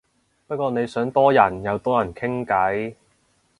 不過你想多人又多人傾偈